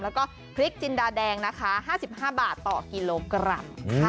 แล้วก็พริกจินดาแดงนะคะ๕๕บาทต่อกิโลกรัม